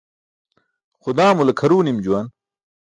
Xudaamule kʰaruw nim juwan.